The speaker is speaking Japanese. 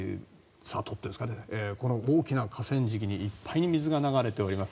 大きな河川敷いっぱいに水が流れております。